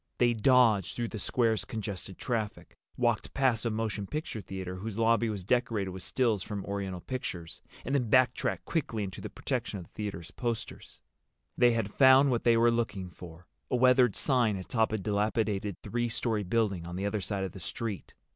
They dodged through the square's congested traffic, walked past a motion picture theater whose lobby was decorated with stills from Oriental pictures, and then backtracked quickly into the protection of the theater's posters. They had found what they were looking for—a weathered sign atop a dilapidated three story building on the other side of the street.